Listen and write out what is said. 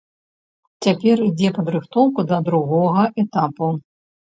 Цяпер ідзе падрыхтоўка да другога этапу.